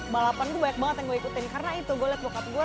balapan gue banyak banget yang gue ikutin karena itu gue liat bokap gue